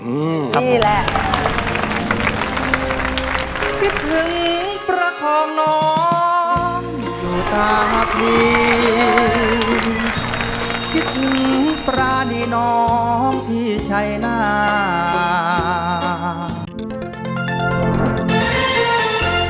อืมดีแหละ